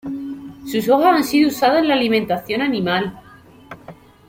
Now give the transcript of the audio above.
Sus hojas han sido usadas en la alimentación animal.